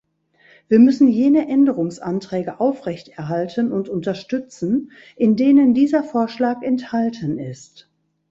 Wir müssen jene Änderungsanträge aufrecht erhalten und unterstützen, in denen dieser Vorschlag enthalten ist.